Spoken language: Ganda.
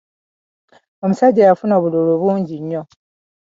Omusajja yafuna obululu bungi nnyo.